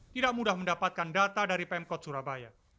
tidak mudah mendapatkan data dari pemkot surabaya